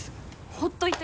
ほっといて。